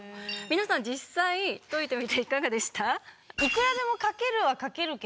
皆さん実際解いてみていかがでした？